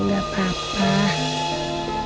udah rakyat cepetan kerjain